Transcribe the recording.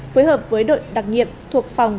phối hợp với đội đặc nhiệm thuộc phòng